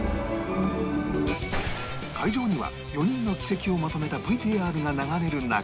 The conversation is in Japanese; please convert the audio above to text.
会場には４人の軌跡をまとめた ＶＴＲ が流れる中